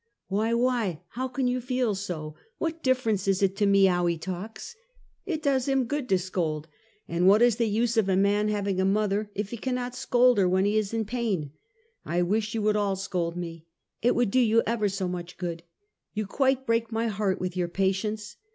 "Why! why! How can you feel so? What differ ence is it to me how he talks ? It does him good to scold, and what is the use of a man having a mother if he cannot scold her when he is in pain? I wish you would all scold me! It would do you ever so much good. You quite break my heart with your patience.